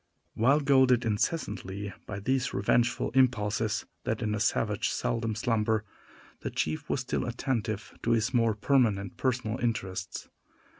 While goaded incessantly by these revengeful impulses that in a savage seldom slumber, the chief was still attentive to his more permanent personal interests.